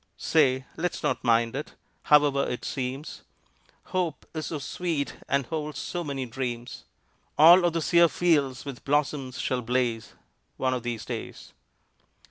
Say! Let's not mind it, however it seems, Hope is so sweet and holds so many dreams; All of the sere fields with blossoms shall blaze One of these days.